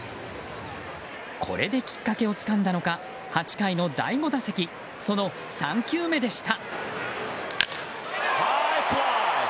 これできっかけをつかんだのか８回の第５打席その３球目でした。